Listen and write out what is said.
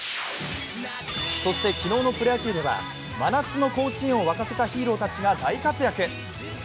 そして、昨日のプロ野球では真夏の甲子園を沸かせたヒーローたちが大活躍。